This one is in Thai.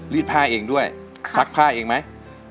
ผ้าเองด้วยซักผ้าเองไหม